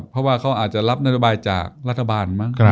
เพราะว่าเขาอาจจะรับนโยบายจากรัฐบาลมั้ง